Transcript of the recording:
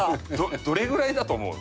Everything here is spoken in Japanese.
どれぐらいだと思うの？